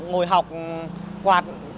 ngồi học hoạt